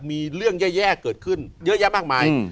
มีเรื่องแย่เกิดขึ้นเยอะแยะมากมาย